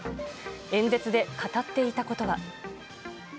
演説で語っていたことは。